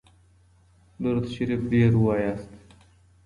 درود شریف ډیر ووایئ.